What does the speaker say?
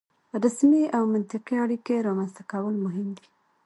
رسمي او منطقي اړیکې رامنځته کول مهم دي.